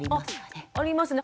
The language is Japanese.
あっありますね。